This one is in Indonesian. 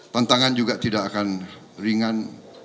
tantangan juga tidak akan ringan